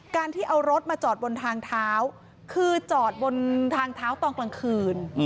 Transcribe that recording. การที่เอารถมาจอดบนทางเท้าคือจอดบนทางเท้าตอนกลางคืน